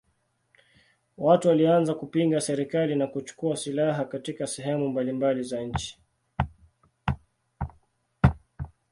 Watu walianza kupinga serikali na kuchukua silaha katika sehemu mbalimbali za nchi.